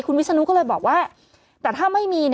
คุณวิศนุก็เลยบอกว่าแต่ถ้าไม่มี